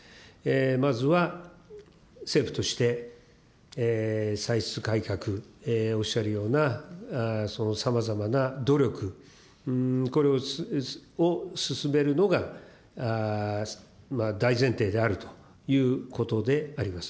まずは政府として、歳出改革、おっしゃるようなそのさまざまな努力、これを進めるのが大前提であるということであります。